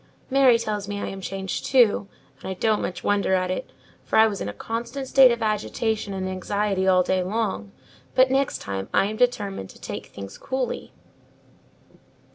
"Mary tells me I am changed too; and I don't much wonder at it, for I was in a constant state of agitation and anxiety all day long: but next time I am determined to take things coolly."